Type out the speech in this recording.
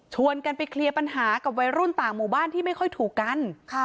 กันไปเคลียร์ปัญหากับวัยรุ่นต่างหมู่บ้านที่ไม่ค่อยถูกกัน